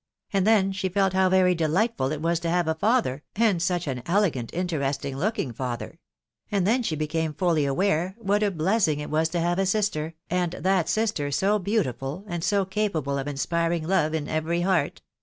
• and then she felt how very delightful it waa to him a father, and such an elegant, interesting looking father ••»• and then she became fully aware what a blessing it was to a sister, and that sister so beautiful, and so capable of i love in every heart